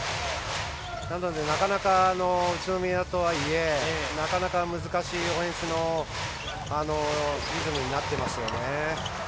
なので、なかなか宇都宮とはいえなかなか、難しいオフェンスのリズムになってますよね。